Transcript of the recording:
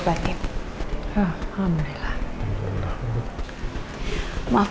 suara gila sofi